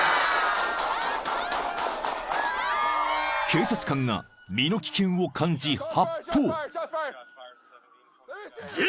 ［警察官が身の危険を感じ発砲］